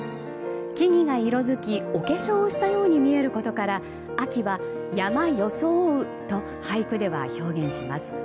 木々が色づき、お化粧をしたように見えることから秋は、「山装う」と俳句では表現します。